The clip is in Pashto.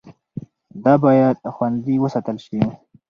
دا باید خوندي وساتل شي.